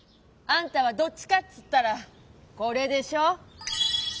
あんたはどっちかっていったらこれでしょ。